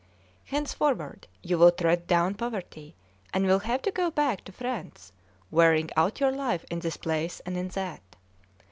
Henceforward you will tread down poverty, and will have to go back to France, wearing out your life in this place and in that.